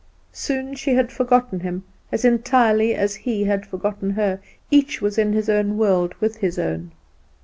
Soon she had forgotten him, as entirely as he had forgotten her; each was in his own world with his own.